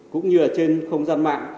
cũng như trên không gian mạng